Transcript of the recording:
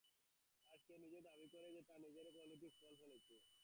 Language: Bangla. আর সে নিজে দাবী করে যে, তার নিজের উপর অলৌকিক ফল ফলেছে।